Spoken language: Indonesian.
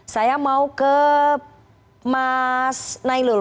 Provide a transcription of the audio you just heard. saya mau ke mas nailul